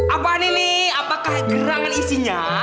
apaan ini apakah gerangan isinya